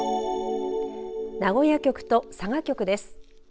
名古屋局と佐賀局です。